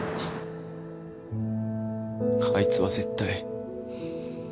あいつは絶対。